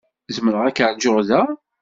Zemreɣ ad k-ṛjuɣ da?